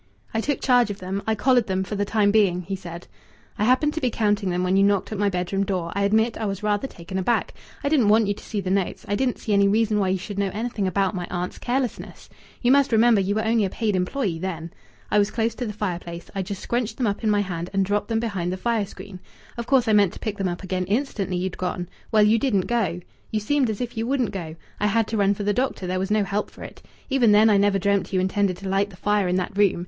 "I took charge of them. I collared them, for the time being," he said. "I happened to be counting them when you knocked at my bedroom door. I admit I was rather taken aback. I didn't want you to see the notes. I didn't see any reason why you should know anything about my aunt's carelessness. You must remember you were only a paid employee then. I was close to the fireplace. I just scrunched them up in my hand and dropped them behind the fire screen. Of course I meant to pick them up again instantly you'd gone. Well, you didn't go. You seemed as if you wouldn't go. I had to run for the doctor. There was no help for it. Even then I never dreamt you intended to light the fire in that room.